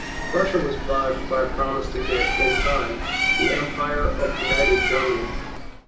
Prussia was bribed by a promise to get, in time, the Empire of United Germany.